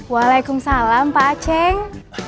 wa'alaikumsalam pak acheng